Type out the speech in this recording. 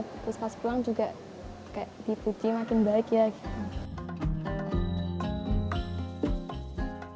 terus pas pulang juga kayak dipuji makin baik ya gitu